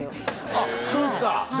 あっそうですか！